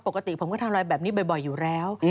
ปกติผมก็ทำอะไรแบบนี้บ่อยอยู่แล้ว